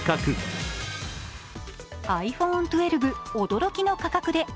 ｉＰｈｏｎｅ１２、驚きの価格で。